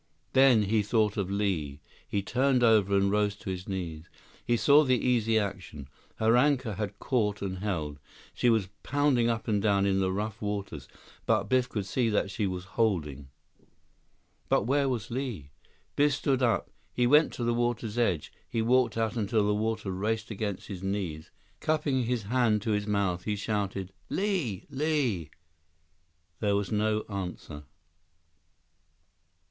Then he thought of Li. He turned over and rose to his knees. He saw the Easy Action. Her anchor had caught and held. She was pounding up and down on the rough waters, but Biff could see that she was holding. But where was Li? Biff stood up. He went to the water's edge. He walked out until the water raced around his knees. Cupping his hands to his mouth, he shouted: "Li! Li!" There was no answer.